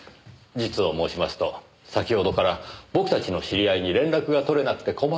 実を申しますと先ほどから僕たちの知り合いに連絡が取れなくて困っています。